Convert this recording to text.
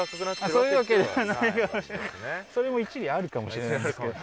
それも一理あるかもしれないんですけど。